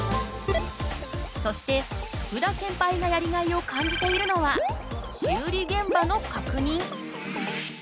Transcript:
そして福田センパイがやりがいを感じているのは修理現場の確認。